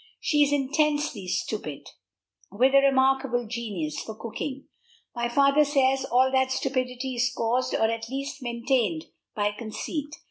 She is intensely stupid, with a remarkable genius yes, genius for cooking. My father says that all stupidity is caused, or at least maintained, by conceit.